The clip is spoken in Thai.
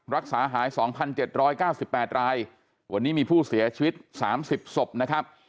รักษาหาย๒๗๙๘รายวันนี้มีผู้เสียชีวิต๓๐ศพนะครับ